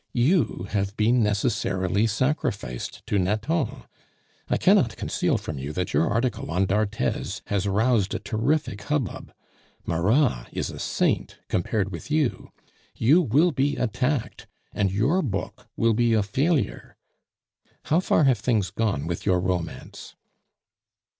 You have been necessarily sacrificed to Nathan. I cannot conceal from you that your article on d'Arthez has roused a terrific hubbub. Marat is a saint compared with you. You will be attacked, and your book will be a failure. How far have things gone with your romance?"